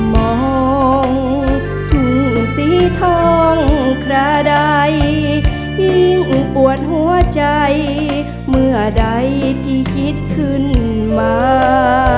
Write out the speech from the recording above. มองทุ่งสีทองคราใดยิ่งปวดหัวใจเมื่อใดที่คิดขึ้นมา